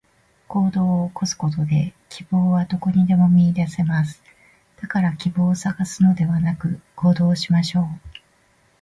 行動を起こすことで、希望はどこにでも見いだせます。だから希望を探すのではなく、行動しましょう。